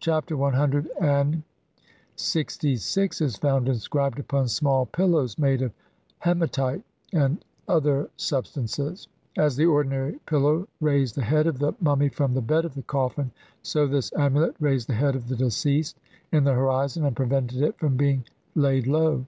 Chapter CLXVI is found inscribed upon small pillows made of haematite and other substan ces ; as the ordinary pillow raised the head of the mummy from the bed of the coffin, so this amulet raised the head of the deceased in the horizon and prevented it from being laid low.